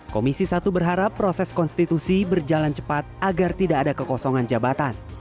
komisi satu berharap proses konstitusi berjalan cepat agar tidak ada kekosongan jabatan